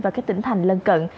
và các tỉnh thành lân cận